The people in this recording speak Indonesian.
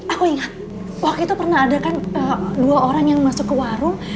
aku ingat waktu itu pernah ada kan dua orang yang masuk ke warung